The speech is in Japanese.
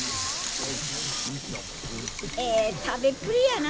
ええ食べっぷりやな。